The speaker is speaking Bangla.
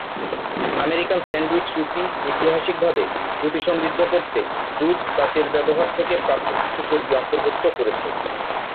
আমেরিকান স্যান্ডউইচ রুটি ঐতিহাসিকভাবে রুটি সমৃদ্ধ করতে দুধ বা তেল ব্যবহার থেকে প্রাপ্ত কিছু চর্বি অন্তর্ভুক্ত করেছে।